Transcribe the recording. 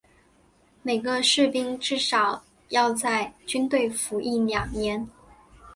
每个士兵至少要在军队服役两年。